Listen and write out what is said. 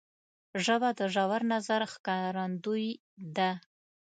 ژبه د ژور نظر ښکارندوی ده